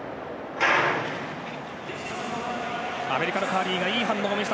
アメリカのカーリーンがいい反応を見せた。